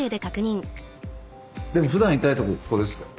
でもふだん痛いところここですか？